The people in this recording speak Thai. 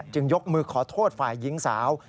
จึงยกมือขอโทษฝ่ายยิงสาว